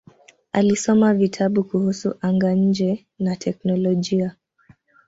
Alisoma vitabu kuhusu anga-nje na teknolojia.